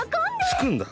つくんだ。